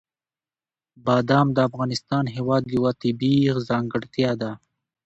بادام د افغانستان هېواد یوه طبیعي ځانګړتیا ده.